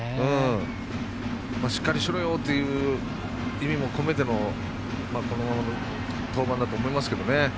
しっかりしろよという意味もこめてのこの登板だと思いますけどね。